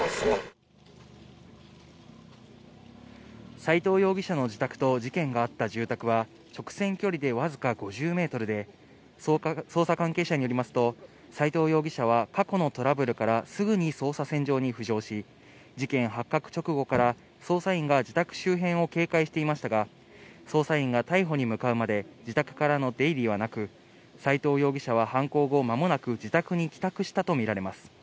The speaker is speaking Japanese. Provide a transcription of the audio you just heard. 斎藤容疑者の自宅と事件があった住宅は、直線距離でわずか５０メートルで、捜査関係者によりますと斎藤容疑者は、過去のトラブルからすぐに捜査線上に浮上し、事件発覚直後から捜査員が自宅周辺を警戒していましたが、捜査員が逮捕に向かうまで自宅からの出入りはなく、斎藤容疑者は犯行後、間もなく自宅に帰宅したとみられます。